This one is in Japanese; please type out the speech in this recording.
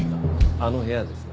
あの部屋ですね。